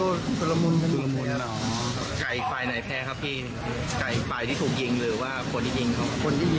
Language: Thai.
คนที่ยิงแพ้ใช่ไหมครับ